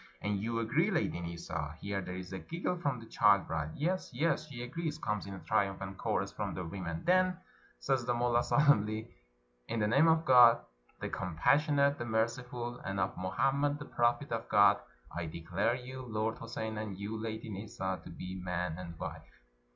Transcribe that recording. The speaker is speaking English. " And you agree, Lady Nissa?" Here there is a giggle from the child bride. " Yes, yes, she agrees," comes in a triumphant chorus from the women. "Then," says the mullah solemnly, "in the name of Gk>d the compassionate, the merciful, and of Mohammed the prophet of God, I declare you, Lord Houssein, and you, Lady Nissa, to be man and wife."